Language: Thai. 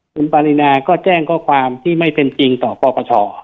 หกไว้คุณปารินาแจ้งข้อความที่ไม่เป็นจริงต่อป